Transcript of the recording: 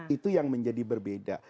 itu yang menjadi berbeda